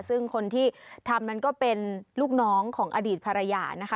ซึ่งคนที่ทำนั้นก็เป็นลูกน้องของอดีตภรรยานะคะ